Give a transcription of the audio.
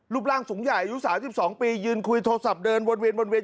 ร่างสูงใหญ่อายุ๓๒ปียืนคุยโทรศัพท์เดินวนเวียนวนเวียน